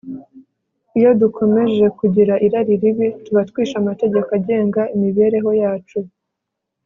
iyo dukomeje kugira irari ribi, tuba twishe amategeko agenga imibereho yacu